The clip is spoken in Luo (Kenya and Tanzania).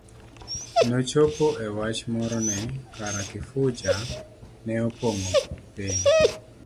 Nochopo e wach moro ni kara Kifuja ne opongo piny.